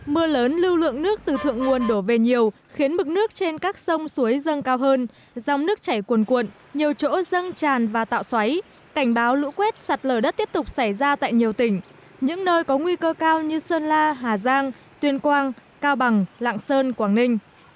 mưa lớn lưu lượng nước từ thượng nguồn đổ về nhiều khiến mực nước trên các sông suối dâng cao hơn dòng nước chảy cuồn cuộn nhiều chỗ dâng tràn và tạo xoáy cảnh báo lũ quét sạt lở đất tiếp tục xảy ra tại nhiều tỉnh những nơi có nguy cơ cao như sơn la hà giang tuyên quang cao bằng lạng sơn quảng ninh